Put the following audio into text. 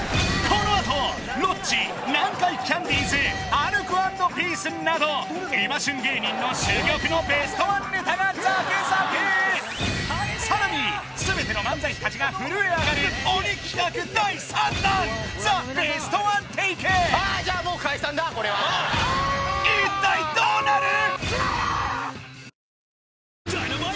このあとロッチ南海キャンディーズアルコ＆ピースなど今旬芸人の珠玉のベストワンネタが続々さらに全ての漫才師達が震え上がる鬼企画第３弾ザ・ベストワンテイクじゃもう解散だこれはもう一体どうなる？